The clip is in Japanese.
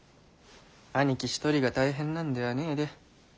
あにき一人が大変なんではねぇで。